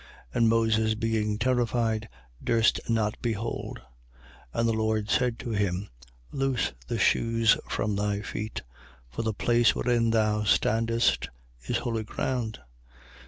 And Moses being terrified durst not behold. 7:33. And the Lord said to him: Loose the shoes from thy feet: for the place wherein thou standest is holy ground.